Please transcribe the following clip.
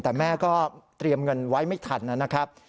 แต่แม่ก็เตรียมเงินไว้ไม่ทันนะครับ